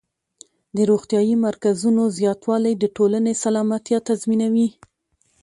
د روغتیايي مرکزونو زیاتوالی د ټولنې سلامتیا تضمینوي.